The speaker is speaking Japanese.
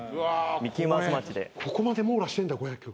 ここまで網羅してんだ５００曲。